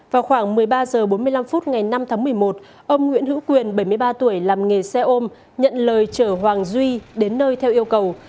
vào khoảng một mươi ba h bốn mươi năm phút ngày năm tháng một mươi một ông nguyễn hữu quyền bảy mươi ba tuổi làm nghề xe ôm nhận lời chở hoàng duy đến nơi theo yêu cầu